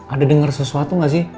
ada denger sesuatu gak sih